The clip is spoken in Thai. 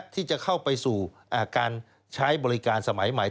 ที่จะเข้าไปสู่การใช้บริการสมัยใหม่